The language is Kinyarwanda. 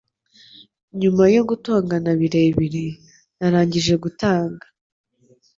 Nyuma yo gutongana birebire, narangije gutanga.